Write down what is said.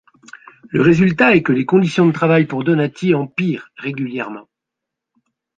Le résultat est que les conditions de travail pour Donati empirent régulièrement.